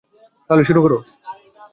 তাহলে শুরু করো।